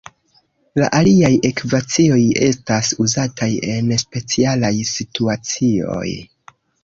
La aliaj ekvacioj estas uzataj en specialaj situacioj.